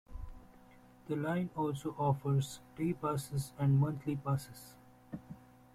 The line also offers day passes and monthly passes.